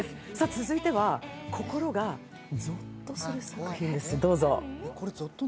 続いては心がゾッとする作品です。